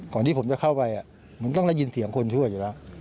ที่ผมจะเข้าไปมันต้องได้ยินเสียงคนช่วยอยู่แล้ว